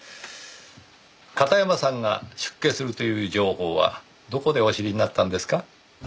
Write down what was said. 片山さんが出家するという情報はどこでお知りになったんですか？